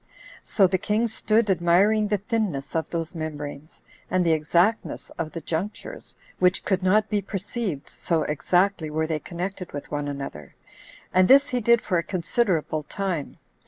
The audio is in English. So the king stood admiring the thinness of those membranes, and the exactness of the junctures, which could not be perceived; [so exactly were they connected one with another;] and this he did for a considerable time.